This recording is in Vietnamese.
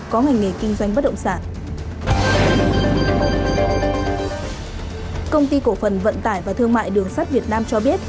công ty cổ phần vận tải và thương mại đường sắt việt nam cho biết